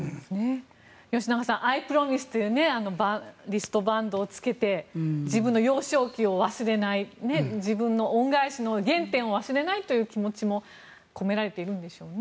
吉永さんＩＰｒｏｍｉｓｅというリストバンドをつけて自分の幼少期を忘れない自分の恩返しの原点を忘れないという気持ちも込められているんでしょうね。